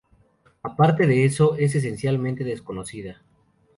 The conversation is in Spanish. Aparte de eso, es esencialmente desconocida.